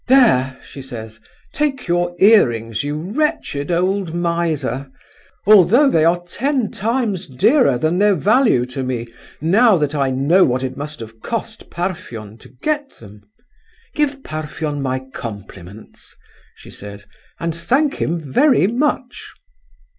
'There,' she says, 'take your earrings, you wretched old miser; although they are ten times dearer than their value to me now that I know what it must have cost Parfen to get them! Give Parfen my compliments,' she says, 'and thank him very much!